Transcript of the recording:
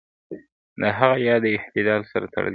د هغه ياد د اعتدال سره تړل کېږي.